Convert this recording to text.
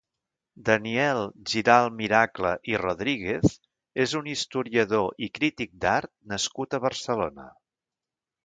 Daniel Giralt-Miracle i Rodríguez és un historiador i critic d'art nascut a Barcelona.